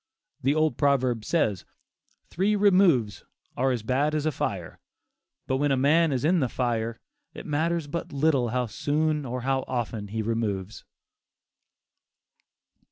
The old proverb says, "Three removes are as bad as a fire," but when a man is in the fire, it matters but little how soon or how often he removes.